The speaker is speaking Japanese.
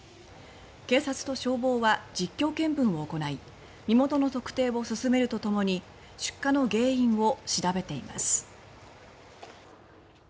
警察と消防は実況見分を行い身元の特定を進めるとともに出火の原因を調べています。